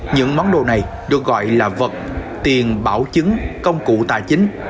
những món đồ này được gọi là vật tiền bảo chứng công cụ tài chính